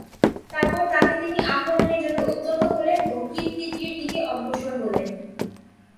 তারপর তাকে তিনি আক্রমণের জন্য উদ্যত হলেন ও কিবতীটির দিকে অগ্রসর হলেন।